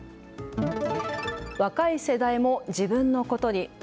若い世代も自分のことに。